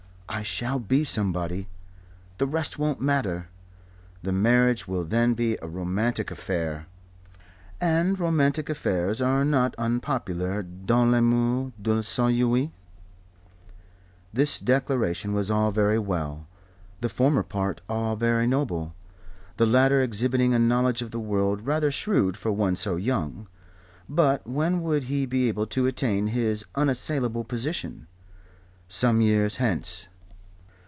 I shall be somebody. The rest won't matter. The marriage will then be a romantic affair, and romantic affairs are not unpopular dans le monde ou l'on s'ennuie." This declaration was all very well; the former part all very noble, the latter exhibiting a knowledge of the world rather shrewd for one so young. But when would he be able to attain his unassailable position? Some years hence.